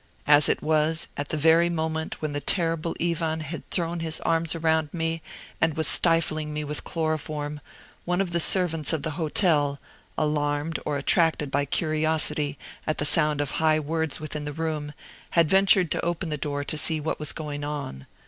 As it was, at the very moment when the terrible Ivan had thrown his arms around me and was stifling me with chloroform, one of the servants of the hotel, alarmed or attracted by curiosity at the sound of high words within the room, had ventured to open the door to see what was going on.